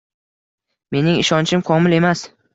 Mening ishonchim komil emas.